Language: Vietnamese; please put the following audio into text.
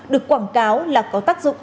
được quảng cáo là có tác dụng